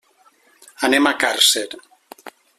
Anem a Càrcer.